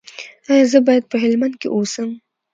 ایا زه باید په هلمند کې اوسم؟